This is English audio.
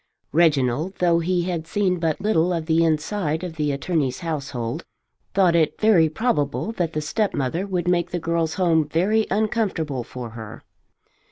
Reginald, though he had seen but little of the inside of the attorney's household, thought it very probable that the stepmother would make the girl's home very uncomfortable for her.